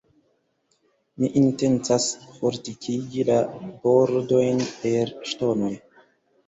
Mi intencas fortikigi la bordojn per ŝtonoj.